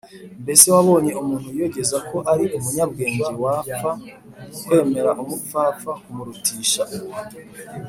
mbese wabonye umuntu wiyogeza ko ari umunyabwenge’wapfa kwemera umupfapfa kumurutisha uwo